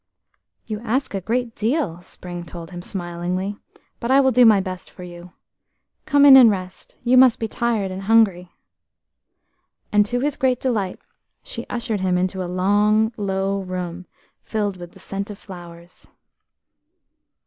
"You ask a great deal," Spring told him, smilingly, "but I will do my best for you. Come in and rest–you must be tired and hungry." And to his great delight she ushered him into a long, low room, filled with the scent of flowers.